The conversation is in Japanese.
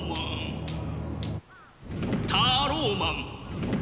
タローマン。